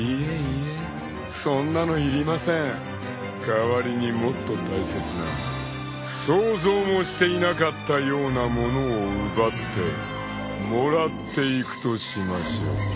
［代わりにもっと大切な想像もしていなかったようなものを奪ってもらっていくとしましょう］